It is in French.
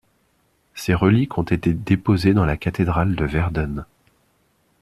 Ses reliques ont été déposées dans la cathédrale de Verden.